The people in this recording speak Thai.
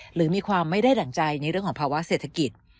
หรือมีความไม่ได้ดั่งใจในเรื่องของภาวะเศรษฐกิจ